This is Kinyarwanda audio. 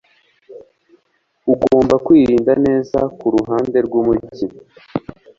Ugomba kwirinda neza kuruhande rwumujyi